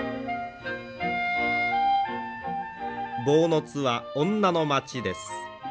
坊津は女の町です。